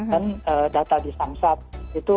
dan data di samsat